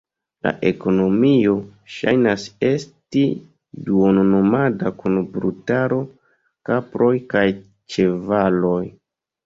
La ekonomio ŝajnas esti duon-nomada, kun brutaro, kaproj kaj ĉevaloj.